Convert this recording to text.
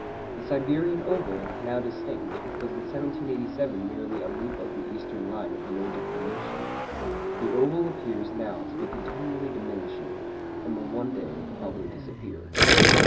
The Siberian oval, now distinct, was in 1787 merely a loop of the eastern line of no declination. The oval appears now to be continually diminishing, and will one day probably disappear.